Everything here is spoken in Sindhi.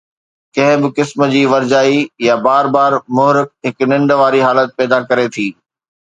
ڪنهن به قسم جي ورجائي يا بار بار محرک هڪ ننڊ واري حالت پيدا ڪري ٿي